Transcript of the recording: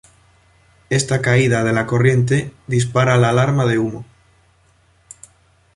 Esta caída de la corriente dispara la alarma de humo.